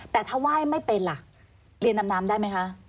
แต่ถ้าไหว้ไม่เป็นล่ะเรียนดำน้ำได้ไหมคะ